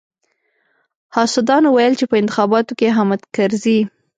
حاسدانو ويل چې په انتخاباتو کې حامد کرزي.